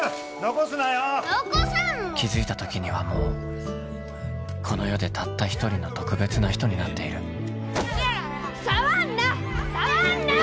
残さんもん気づいた時にはもうこの世でたった一人の特別な人になっている触んな触んな！